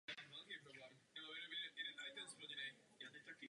V době oprav a rekonstrukce kostela byly části tohoto obrazu nalezeny v podlaze věže.